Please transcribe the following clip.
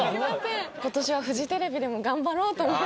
ことしはフジテレビでも頑張ろうと思って。